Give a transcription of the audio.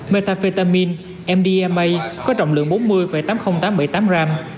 metafetamin mdma có trọng lượng bốn mươi tám mươi nghìn tám trăm bảy mươi tám gram